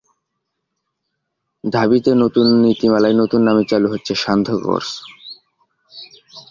ঢাবিতে নতুন নীতিমালায় নতুন নামে চালু হচ্ছে ‘সান্ধ্য কোর্স’